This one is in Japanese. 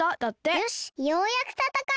よしようやくたたかえる！